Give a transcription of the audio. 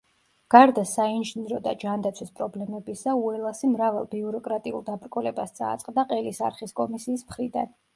გარდა საინჟინრო და ჯანდაცვის პრობლემებისა, უელასი მრავალ ბიუროკრატიულ დაბრკოლებას წააწყდა ყელის არხის კომისიის მხრიდან.